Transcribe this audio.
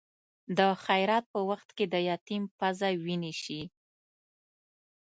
د خیرات په وخت کې د یتیم پزه وینې شي.